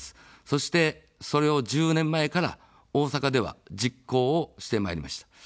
そして、それを１０年前から大阪では実行をしてまいりました。